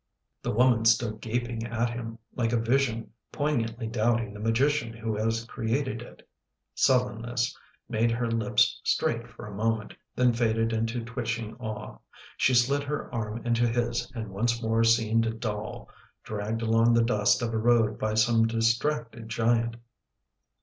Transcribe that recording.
The woman stood gaping at him, like a vision poign antly doubting the magician who has created it. Sul lenness made her lips straight for a moment, then faded into twitching awe. She slid her arm into his and once more seemed a doll dragged along the dust of a road by some distracted giant.